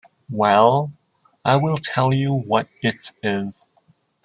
Well, I will tell you what it is.